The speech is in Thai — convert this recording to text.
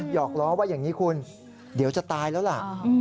หอกล้อว่าอย่างนี้คุณเดี๋ยวจะตายแล้วล่ะ